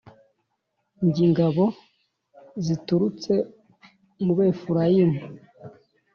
Ng ingabo ziturutse mu Befurayimu